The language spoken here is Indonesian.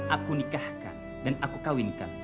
aku nikahkan dan aku kawinkan